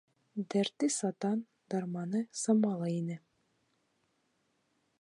Дәрте сатан, дарманы самалы ине.